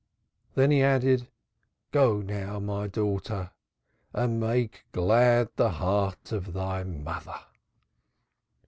Then he added: "Go now, my daughter, and make glad the heart of thy mother."